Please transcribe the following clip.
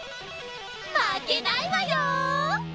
まけないわよ！